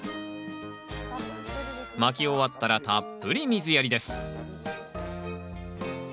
まき終わったらたっぷり水やりです